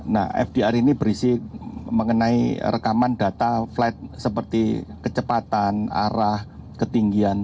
nah fdr ini berisi mengenai rekaman data flight seperti kecepatan arah ketinggian